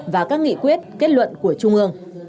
và các nghị quyết kết luận của trung ương